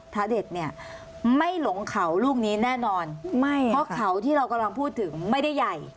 พระเด็ดเนี่ยไม่หลงเขาลูกนี้แน่นอนไม่เพราะเขาที่เรากำลังพูดถึงไม่ได้ใหญ่